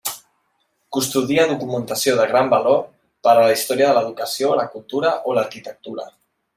Custodia documentació de gran valor per a la història de l'educació, la cultura o l'arquitectura.